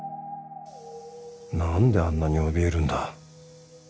何であんなにおびえるんだ？